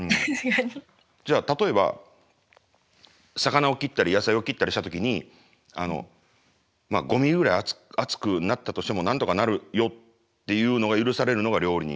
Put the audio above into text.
じゃあ例えば魚を切ったり野菜を切ったりした時にまあ５ミリぐらい厚くなったとしてもなんとかなるよっていうのが許されるのが料理人。